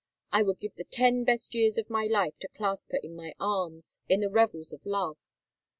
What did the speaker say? I would give the ten best years of my life to clasp her in my arms, in the revels of love!